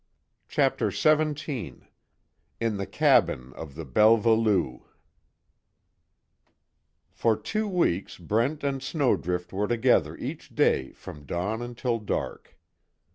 CHAPTER XVII IN THE CABIN OF THE BELVA LOU For two weeks Brent and Snowdrift were together each day from dawn until dark.